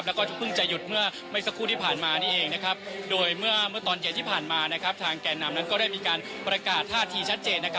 ติดตามจากคุณนำโชคบุญชูพศธรรัฐทีวีรายงานสดมาจากมหาวิทยาลัยธรรมศาสตร์ค่ะ